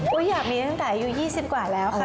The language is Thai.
อยากมีตั้งแต่อายุ๒๐กว่าแล้วค่ะ